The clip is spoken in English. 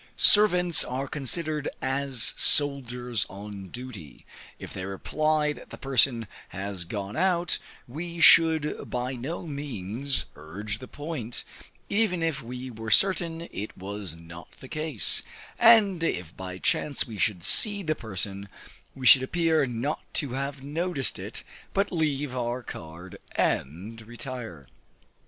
Servants are considered as soldiers on duty; if they reply that the person has gone out, we should by no means urge the point, even if we were certain it was not the case; and if by chance we should see the person, we should appear not to have noticed it, but leave our card and retire.